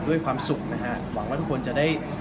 ด้วยความสุขนะฮะหวังว่าทุกคนจะได้